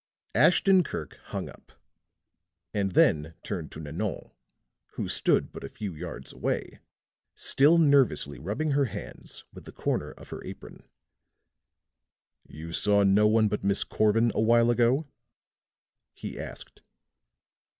Ashton Kirk hung up, and then turned to Nanon, who stood but a few yards away, still nervously rubbing her hands with the corner of her apron. "You saw no one but Miss Corbin a while ago?" he asked.